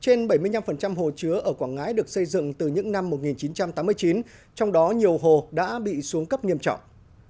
trên bảy mươi năm hồ chứa ở quảng ngãi được xây dựng từ những năm một nghìn chín trăm tám mươi chín trong đó nhiều hồ đã bị xuống cấp nghiêm trọng